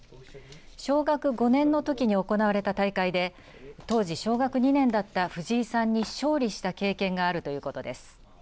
小学５年の時に行われた大会で当時小学２年だった藤井さんに勝利した経験があるということです。